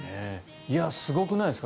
すごくないですか。